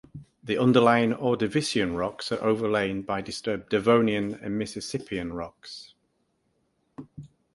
The underlying Ordovician rocks are overlain by disturbed Devonian and Mississippian rocks.